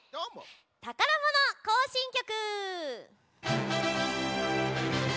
「たからもの行進曲」！